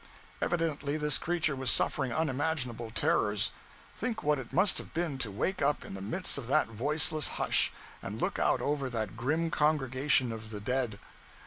Evidently this creature was suffering unimaginable terrors. Think what it must have been to wake up in the midst of that voiceless hush, and, look out over that grim congregation of the dead!